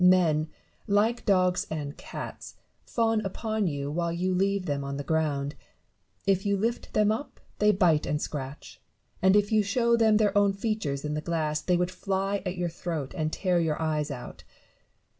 Men, like dogs and cats, fawn upon you while you leave them on the ground ; if you lift them up they bite and scratch ; and if you show them their own features in the glass, they would fly at your throat and tear your eyes out.